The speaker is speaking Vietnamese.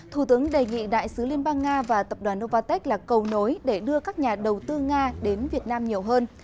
thủ tướng đề nghị đại sứ liên bang nga và tập đoàn novartek là cầu nối để đưa các nhà đầu tư nga đến việt nam nhiều hơn